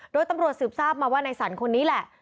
โดยตำรวจสืบทราบมาว่าในสรรคนนี้แหละ